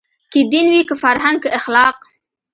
که دین وي که فرهنګ که اخلاق